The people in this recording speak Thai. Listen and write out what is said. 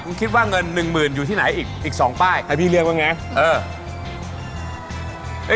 คุณคิดว่าเงินหนึ่งหมื่นอยู่ที่ไหนอีก๒ป้ายให้พี่เรียกว่าไงเออ